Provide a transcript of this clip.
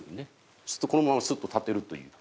そうするとこのままスッと立てるという。